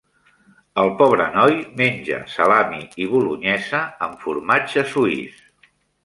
El pobre noi menja salami i bolonyesa amb formatge suís.